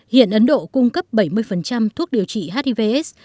hiện ấn độ cung cấp bảy mươi thuốc điều trị hiv aids